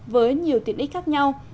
với nhiều tiện ích khác nhau